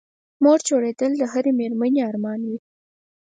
مور جوړېدل د هرې مېرمنې ارمان وي